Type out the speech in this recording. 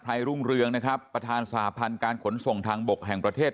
รุ่งเรืองนะครับประธานสหพันธ์การขนส่งทางบกแห่งประเทศ